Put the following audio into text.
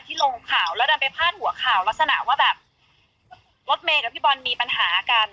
ลงข่าวแล้วดันไปพาดหัวข่าวลักษณะว่าแบบรถเมย์กับพี่บอลมีปัญหากัน